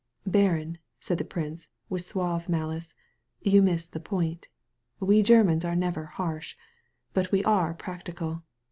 "Baron," said the prince, with suave malice, "you miss the point. We Germans are never harsh. But we are practical.